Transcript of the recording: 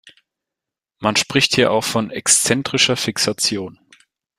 Man spricht hier auch von "exzentrischer Fixation".